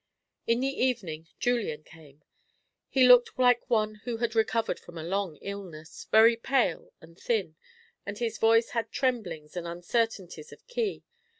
In the evening Julian came. He looked like one who had recovered from a long illness, very pale and thin, and his voice had tremblings and uncertainties of key.